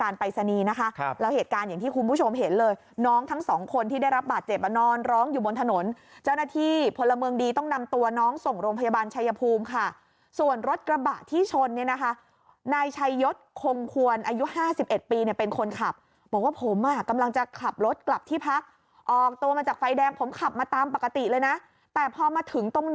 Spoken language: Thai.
ปรายศนีย์นะคะครับแล้วเหตุการณ์อย่างที่คุณผู้ชมเห็นเลยน้องทั้งสองคนที่ได้รับบาดเจ็บอ่ะนอนร้องอยู่บนถนนเจ้าหน้าที่พลเมืองดีต้องนำตัวน้องส่งโรงพยาบาลชัยภูมิค่ะส่วนรถกระบะที่ชนเนี่ยนะคะนายชัยยศคงควรอายุห้าสิบเอ็ดปีเนี่ยเป็นคนขับบอกว่าผมอ่ะกำลังจะขับรถกลับที่พักออกตัวมาจากไฟแดงผมขับมาตามปกติเลยนะแต่พอมาถึงตรง